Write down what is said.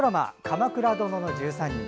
「鎌倉殿の１３人」